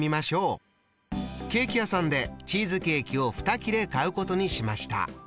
ケーキ屋さんでチーズケーキを２切れ買うことにしました。